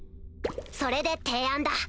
それで提案だ。